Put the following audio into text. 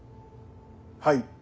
はい。